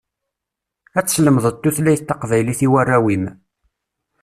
Ad teslemdeḍ tutlayt taqbaylit i warraw-im.